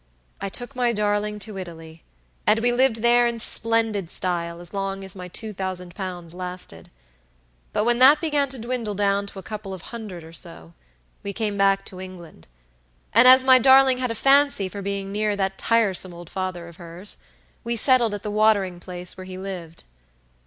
I took my darling to Italy, and we lived there in splendid style as long as my two thousand pounds lasted; but when that began to dwindle down to a couple of hundred or so, we came back to England, and as my darling had a fancy for being near that tiresome old father of hers, we settled at the watering place where he lived.